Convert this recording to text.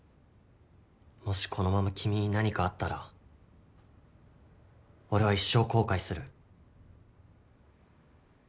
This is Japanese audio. もしこのまま君に何かあったら俺は一生後悔する。